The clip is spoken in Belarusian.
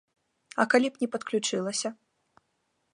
А калі б не падключылася?